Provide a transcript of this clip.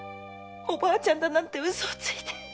おばあちゃんだなんて嘘をついて。